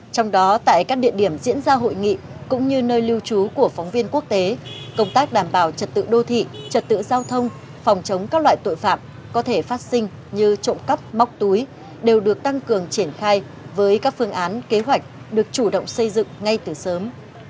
trong đó tại các địa điểm diễn ra hội nghị cũng như nơi lưu trú của phóng viên quốc tế công tác đảm bảo trật tự đô thị trật tự giao thông phòng chống các loại tội phạm có thể phát sinh như trộm cắp móc túi đều được tăng cường triển khai với các phương án kế hoạch được chủ động xây dựng ngay từ sớm